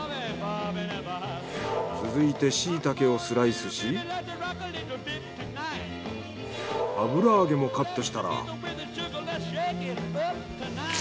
続いてシイタケをスライスし油揚げもカットしたら。